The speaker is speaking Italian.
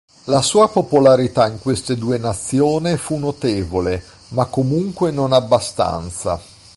La sua popolarità in queste due nazione fu notevole, ma comunque non abbastanza.